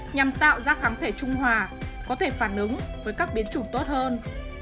nhằm tạo ra kháng thể trung hòa có thể phản ứng với các biến chủng tốt hơn